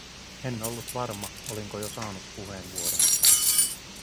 En ollut varma, olinko jo saanut puheenvuoron.